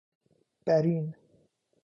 بَرین